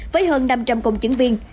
với hơn năm trăm linh công chứng viên